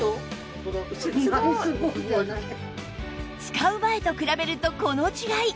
使う前と比べるとこの違い